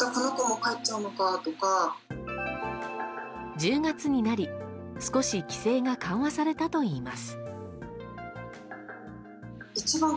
１０月になり少し規制が緩和されたといいます。